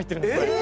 え！？